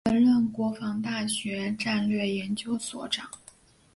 曾任国防大学战略研究所长。